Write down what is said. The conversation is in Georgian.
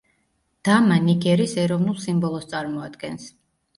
დამა ნიგერის ეროვნულ სიმბოლოს წარმოადგენს.